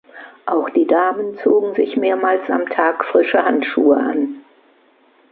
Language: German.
Auch die Damen zogen sich mehrmals am Tag frische Handschuhe an.